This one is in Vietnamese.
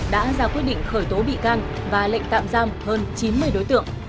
đã ra quyết định khởi tố bị can và lệnh tạm giam hơn chín mươi đối tượng